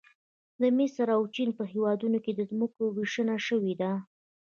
د مصر او چین په هېوادونو کې د ځمکو ویشنه شوې ده